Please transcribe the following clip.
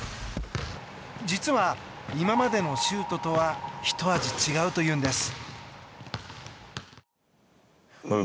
実は、今までのシュートとはひと味違うというんです。